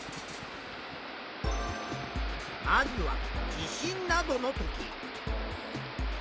まずは地震などのとき。